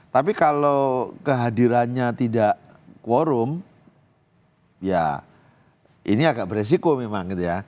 tapi kalau kehadirannya tidak quorum ya ini agak beresiko memang gitu ya